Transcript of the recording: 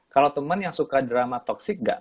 kalau temen yang suka drama toxic gak